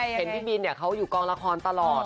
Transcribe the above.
เห็นพี่บินเขาอยู่กองละครตลอด